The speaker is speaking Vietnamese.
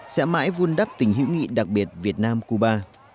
sẽ mãi vun đắp tình hữu nghị đặc biệt việt nam cuba